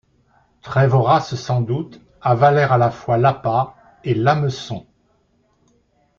très-voraces sans doute, avalèrent à la fois l’appât et l’hameçon.